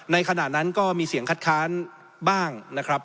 ในขณะนั้นก็มีเสียงคัดค้านบ้าง